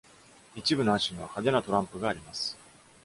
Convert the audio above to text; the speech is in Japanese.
一部の亜種には「派手なトランプ」があります。